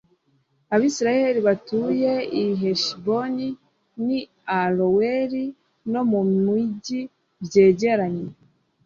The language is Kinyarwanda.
abayisraheli batuye i heshiboni n'i aroweri no mu mugi byegeranye